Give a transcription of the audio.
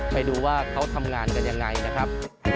ไปดูว่าเขาทำงานกันยังไงนะครับ